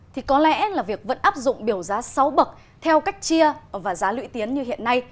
thì có lẽ là việc vẫn áp dụng biểu giá sáu bậc theo cách chia và giá lưỡi tiến như hiện nay